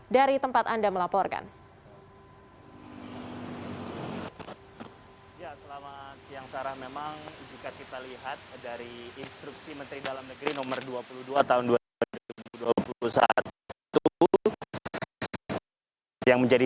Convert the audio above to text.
dari tempat anda melaporkan